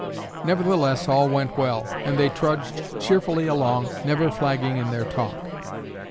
Nevertheless all went well, and they trudged cheerfully along, never flagging in their talk.